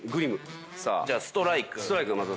じゃあストライク。